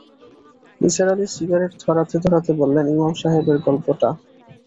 Nisar Ali cigarette ধরাতে-ধরাতে বললেন, ইমাম সাহেবের গল্পটা।